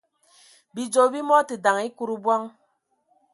Bidzɔ bi mɔ tə daŋ ekud bɔŋ.